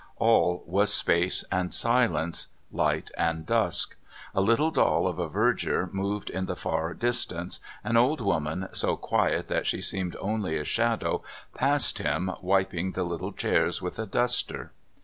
All was space and silence, light and dusk; a little doll of a verger moved in the far distance, an old woman, so quiet that she seemed only a shadow, passed him, wiping the little chairs with a duster.